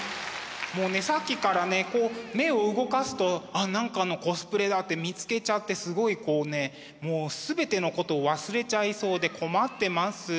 もうねさっきからねこう目を動かすと何かのコスプレだって見つけちゃってすごいこうねもう全てのことを忘れちゃいそうで困ってます。